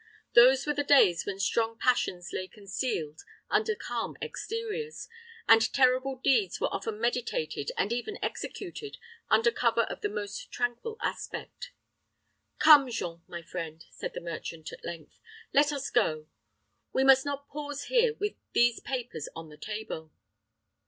Those were the days when strong passions lay concealed under calm exteriors, and terrible deeds were often meditated and even executed under cover of the most tranquil aspect. "Come, Jean, my friend." said the merchant, at length; "let us go. We must not pause here with these papers on the table."